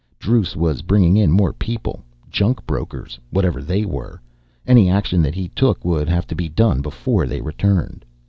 Druce was bringing in more people, junk brokers, whatever they were. Any action that he took would have to be done before they returned.